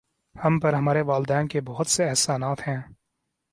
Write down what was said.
ہم پر ہمارے والدین کے بہت سے احسانات ہیں